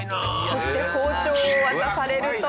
そして包丁を渡されると。